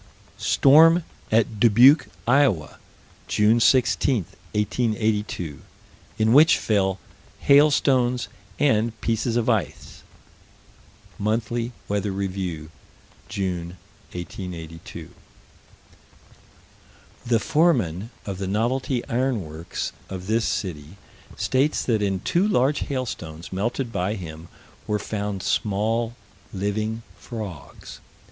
Storm at Dubuque, Iowa, June 16, 1882, in which fell hailstones and pieces of ice (Monthly Weather Review, June, 1882): "The foreman of the Novelty Iron Works, of this city, states that in two large hailstones melted by him were found small living frogs."